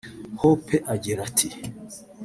Hope agira ati